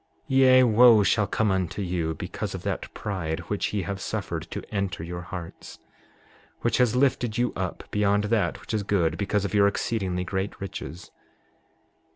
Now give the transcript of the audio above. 7:26 Yea, wo shall come unto you because of that pride which ye have suffered to enter your hearts, which has lifted you up beyond that which is good because of your exceedingly great riches!